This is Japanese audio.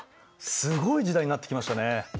すごい時代になってきましたね。